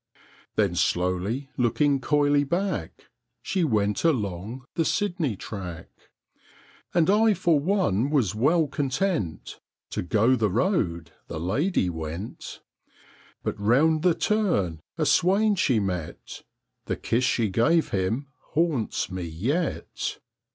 Then slowly, looking coyly back, She went along the Sydney track. And I for one was well content To go the road the lady went; But round the turn a swain she met The kiss she gave him haunts me yet!